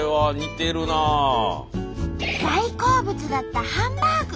大好物だったハンバーグ。